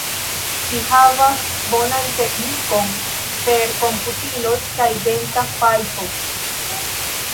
Ŝi havas bonan teknikon per komputiloj kaj denta fajfo.